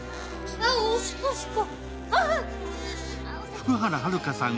福原遥さん